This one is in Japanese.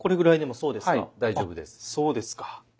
そうですか。